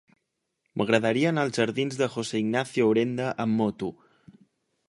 M'agradaria anar als jardins de José Ignacio Urenda amb moto.